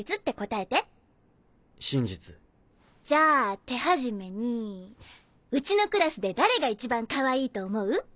じゃあ手始めにうちのクラスで誰が一番かわいいと思う？